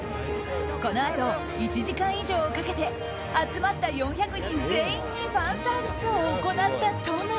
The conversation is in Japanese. このあと、１時間以上をかけて集まった４００人全員にファンサービスを行ったトム。